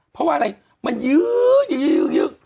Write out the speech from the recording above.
เพราะว่าอะไรมันยื้อยื้อยื้อ